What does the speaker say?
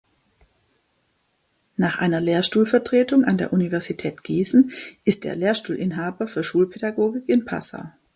Nach einer Lehrstuhlvertretung an der Universität Gießen ist er Lehrstuhlinhaber für Schulpädagogik in Passau.